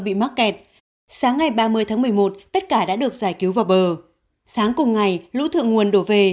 bị mắc kẹt sáng ngày ba mươi tháng một mươi một tất cả đã được giải cứu vào bờ sáng cùng ngày lũ thượng nguồn đổ về